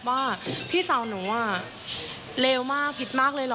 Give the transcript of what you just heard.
ว่าพี่สาวหนูเลวมากผิดมากเลยเหรอ